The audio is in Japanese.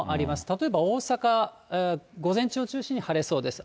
例えば大阪、午前中を中心に晴れそうです。